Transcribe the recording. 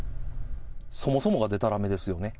そもそもがでたらめですよね。